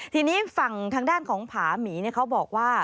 ทีนี้ฝั่งทางด้านของผาหมีเขาบอกว่า